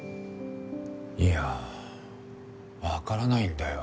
いやわからないんだよ。